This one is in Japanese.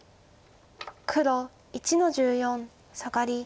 黒１の十四サガリ。